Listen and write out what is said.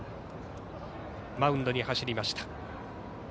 マウンドに走りました。